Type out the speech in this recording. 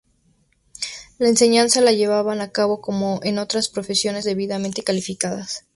La enseñanza la llevaban a cabo, como en otras profesiones, personas debidamente calificadas.